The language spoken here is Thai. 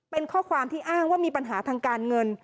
เป็นข้อความที่อ้างว่ามีปัญหาทางการเงิน